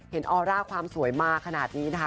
ออร่าความสวยมาขนาดนี้นะคะ